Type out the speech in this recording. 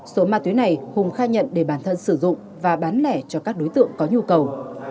số ma túy này hùng khai nhận để bản thân sử dụng và bán lẻ cho các đối tượng có nhu cầu